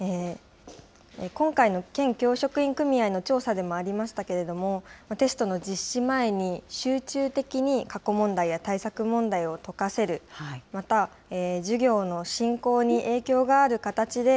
今回の県教職員組合の調査でもありましたけれども、テストの実施前に集中的に過去問題や対策問題を解かせる、また、授業の進行に影響がある形で、